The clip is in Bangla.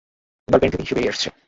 এবার প্যান্ট থেকে হিসু বেরিয়ে আসছে?